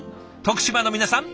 徳島の皆さん